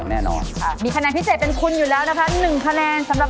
แน่นอนค่ะมีคะแนนพิเศษเป็นคุณอยู่แล้วนะคะ๑คะแนนสำหรับ